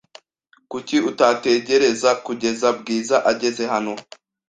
Kuki utategereza kugeza Bwiza ageze hano?